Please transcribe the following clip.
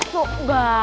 tuh gak ada